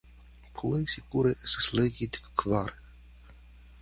Plej sekure estas legi dek kvar.